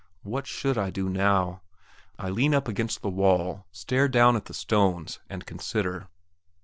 What should I do now? I lean up against the wall, stare down at the stones, and consider.